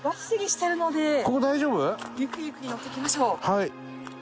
はい。